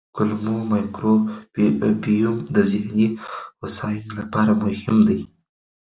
کولمو مایکروبیوم د ذهني هوساینې لپاره مهم دی.